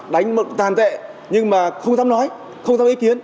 đánh tàn tệ nhưng mà không dám nói không dám ý kiến